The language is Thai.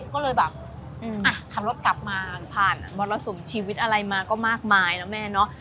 ก็เลยแบบขับรถกลับมาผ่านมรสุมชีวิตอะไรมาก็มากมายนะแม่เนาะ